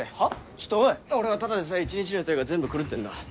ちょっとおい俺はただでさえ一日の予定が全部狂ってんだ